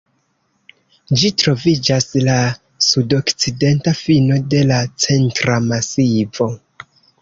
Ĝi troviĝas ĉe la sudokcidenta fino de la Centra Masivo.